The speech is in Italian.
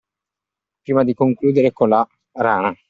Prima di concludere con la rana